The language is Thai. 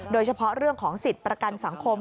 โดยเฉพาะเรื่องของสิทธิ์ประกันสังคม